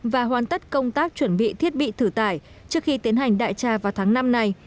và hoàn tất công tác chuẩn bị thiết bị thử tải trước khi tiến hành đại tra vào tháng năm này